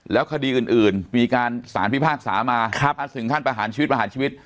แล้วคดีอื่นมีการสารพิพากษามาถ้าถึงขั้นประหารชีวิตประหารชีวิต